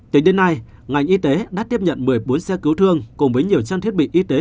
tính đến nay ngành y tế đã tiếp nhận một mươi bốn xe cứu thương cùng với nhiều trang thiết bị y tế